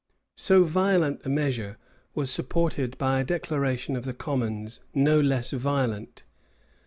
So violent a measure was supported by a declaration of the commons no less violent.